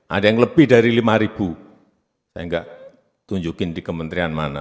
ada yang lebih dari lima ribu saya nggak tunjukin di kementerian mana